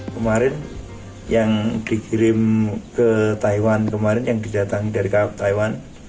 kemarin yang dikirim ke taiwan yang didatang dari taiwan